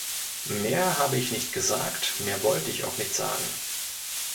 Mehr habe ich nicht gesagt, mehr wollte ich auch nicht sagen.